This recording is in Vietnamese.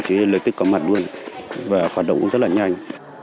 thì lực tức có mặt luôn và hoạt động cũng rất là nhanh